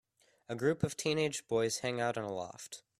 A group of teenage boys hang out in a loft.